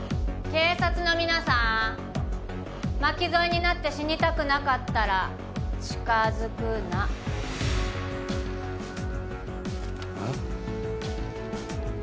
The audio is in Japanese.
警察の皆さん巻き添えになって死にたくなかったら近づくなああ？